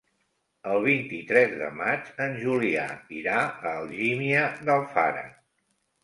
El vint-i-tres de maig en Julià irà a Algímia d'Alfara.